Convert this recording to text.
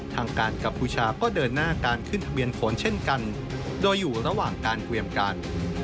ทางการกัมพูชาก็เดินหน้าการขึ้นทะเบียนผลเช่นกันโดยอยู่ระหว่างการเตรียมการ